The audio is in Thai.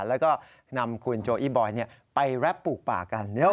แล้วก็นำคุณโจอีบอยไปแรปลูกป่ากัน